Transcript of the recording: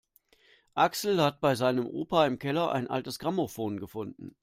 Axel hat bei seinem Opa im Keller ein altes Grammophon gefunden.